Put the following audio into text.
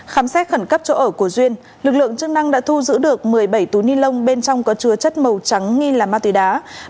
khám xét khẩn cấp chỗ ở của duyên lực lượng chức năng đã thu giữ được một mươi bảy túi ni lông bên trong có chứa chất màu trắng nghi là ma túy đá